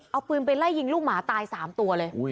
เอาปืนไปไล่ยิงลูกหมาตาย๓ตัวเลย